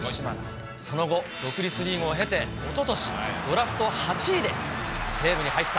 その後、独立リーグを経て、おととし、ドラフト８位で西武に入った。